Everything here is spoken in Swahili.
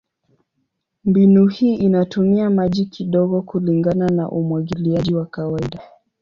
Mbinu hii inatumia maji kidogo kulingana na umwagiliaji wa kawaida.